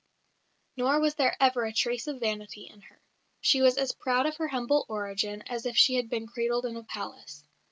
Nor was there ever a trace of vanity in her. She was as proud of her humble origin as if she had been cradled in a palace.